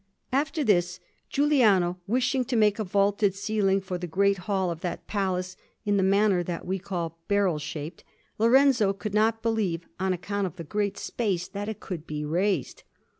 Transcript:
After this, Giuliano wishing to make a vaulted ceiling for the great hall of that palace in the manner that we call barrel shaped, Lorenzo could not believe, on account of the great space, that it could be raised.